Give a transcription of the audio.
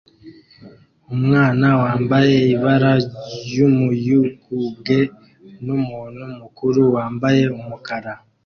Umwana wambaye ibara ry'umuyugubwe numuntu mukuru wambaye umukara